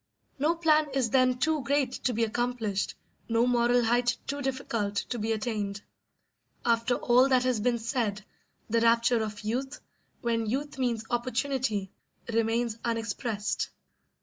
No plan is then too great to be accomplished, no moral height too difficult to be attained. After all that has been said, the rapture of youth, when youth means opportunity, remains unexpressed.